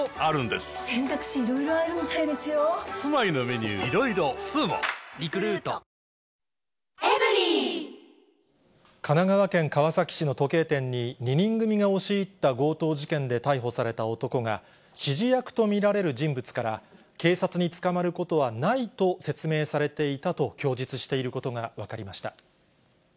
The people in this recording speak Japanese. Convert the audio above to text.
ニトリ神奈川県川崎市の時計店に、２人組が押し入った強盗事件で逮捕された男が、指示役と見られる人物から、警察に捕まることはないと説明されていたと供述していることが分かりました。